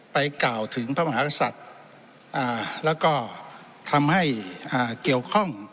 กล่าวถึงพระมหากษัตริย์แล้วก็ทำให้เกี่ยวข้อง